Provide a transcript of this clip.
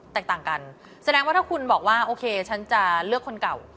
แตกต่างกันแสดงว่าถ้าคุณบอกว่าโอเคฉันจะเลือกคนเก่า